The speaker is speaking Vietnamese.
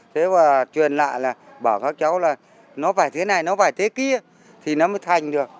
thế và truyền lại là bảo các cháu là nó phải thế này nó vài thế kia thì nó mới thành được